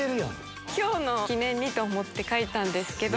今日の記念にと思って描いたんですけど。